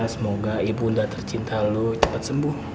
semoga ibu unda tercinta lu cepat sembuh